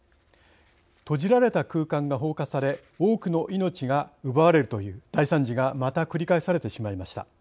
閉じられた空間が放火され多くの命が奪われるという大惨事がまた繰り返されてしまいました。